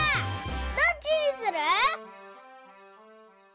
どっちにする？